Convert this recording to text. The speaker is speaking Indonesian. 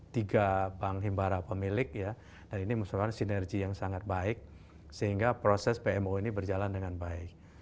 tiga bank himbara pemilik ya dan ini merupakan sinergi yang sangat baik sehingga proses pmo ini berjalan dengan baik